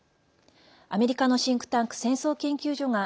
アメリカのシンクタンク戦争研究所が